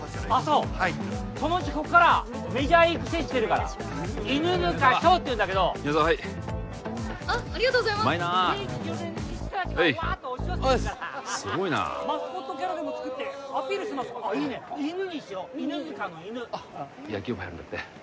そうそのうちこっからメジャーへ行く選手出るから犬塚翔っていうんだけど宮沢はいあっありがとうございますうまいなあはいおいっすすごいなマスコットキャラでもつくってアピールしますかいいね犬にしよう犬塚の犬野球部入るんだって？